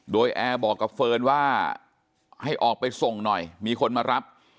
โดยแอร์บอกกับเฟิร์นว่าให้ออกไปส่งหน่อยมีคนมารับ